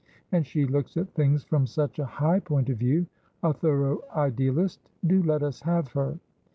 And she looks at things from such a high point of viewa thorough idealist. Do let us have her.